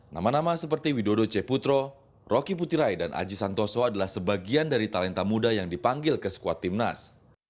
nama nama seperti widodo ceputro roky putirai dan aji santoso adalah sebagian dari talenta muda yang dipanggil ke squad timnas